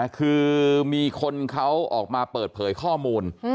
คือมีคนเขาออกมาเปิดเผยข้อมูล